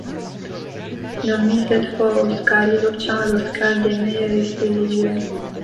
Nommé sept fois aux Oscars, il obtient l'Oscar des meilleurs effets visuels.